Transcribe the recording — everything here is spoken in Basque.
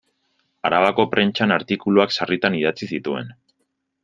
Arabako prentsan artikuluak sarritan idatzi zituen.